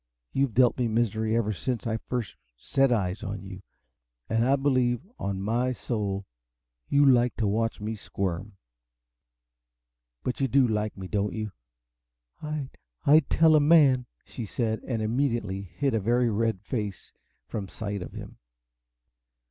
You've dealt me misery ever since I first set eyes on you and I believe, on my soul, you liked to watch me squirm! But you do like me, don't you?" "I I'd tell a man!" said she, and immediately hid a very red face from sight of him.